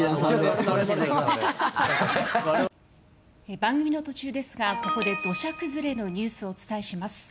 番組の途中ですがここで土砂崩れのニュースをお伝えします。